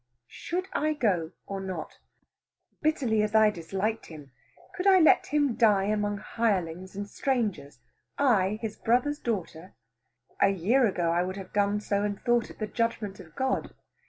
Should I go or not? Bitterly as I disliked him, could I let him die among hirelings and strangers I, his brother's daughter! A year ago I would have done so and thought it the judgment of God.